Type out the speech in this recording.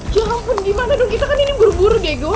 ya ampun gimana dong kita kan ini buru buru dego